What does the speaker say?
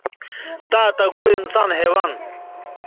تاء، تگُو، انسان، حیوان